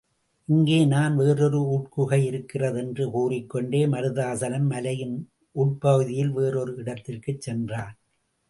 இங்கேதான் வேறொரு உட்குகை இருக்கிறது என்று கூறிக்கொண்டே மருதாசலம் மலையின் உட்பகுதியில் வேறொரு இடத்திற்குச் சென்றான்.